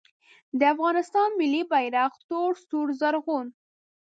د افغانستان ملي بیرغ تور سور زرغون